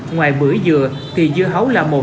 ngoài bưởi dừa thì dư hấu là một